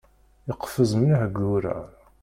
Iqfez mliḥ deg urar.